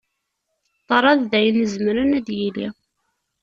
Ṭṭraḍ d ayen izemren ad d-yili.